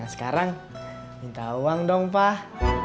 sekarang minta uang dong pak